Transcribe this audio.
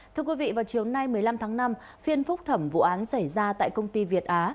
thưa quý vị vào chiều nay một mươi năm tháng năm phiên phúc thẩm vụ án xảy ra tại công ty việt á